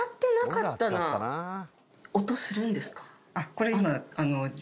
これ今。